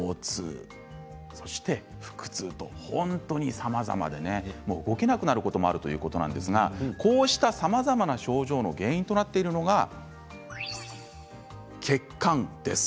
さまざまで動けなくなることもあるということですがこうしたさまざまな症状の原因となっているのが血管です。